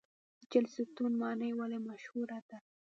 چهلستون ماڼۍ ولې مشهوره ده؟